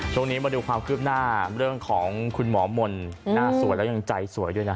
ช่วงนี้มาดูความคืบหน้าเรื่องของคุณหมอมนต์หน้าสวยแล้วยังใจสวยด้วยนะ